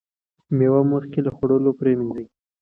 مېوه مخکې له خوړلو پریمنځئ.